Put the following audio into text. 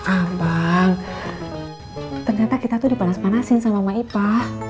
abang ternyata kita tuh dipanas panasin sama maipa